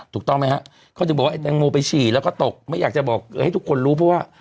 ถูกต้องไหมฮะเขาถึงบอกว่าไอแตงโมไปฉี่แล้วก็ตกไม่อยากจะบอกให้ทุกคนรู้เพราะว่า